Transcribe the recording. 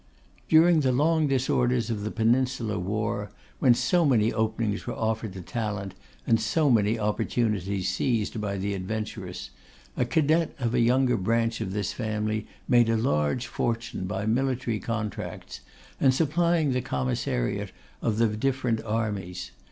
During the long disorders of the Peninsular war, when so many openings were offered to talent, and so many opportunities seized by the adventurous, a cadet of a younger branch of this family made a large fortune by military contracts, and supplying the commissariat of the different armies.